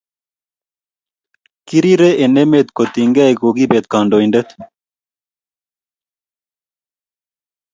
Kirire en met kotienge kokipet kandoindet .